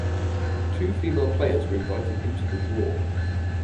Two female players were invited into the draw.